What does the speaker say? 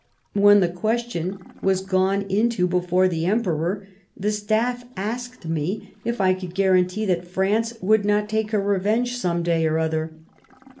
When the question was gone into before the Emperor, the Staff asked me if I could guarantee that France would not take her revenge some day or other.